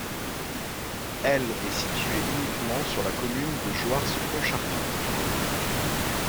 Elle est située uniquement sur la commune de Jouars-Pontchartrain.